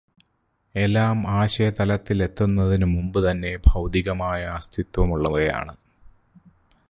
എല്ലാം ആശയതലത്തിലെത്തുന്നതിനു മുമ്പു തന്നേ ഭൗതികമായ അസ്തിത്വമുള്ളവയാണ്.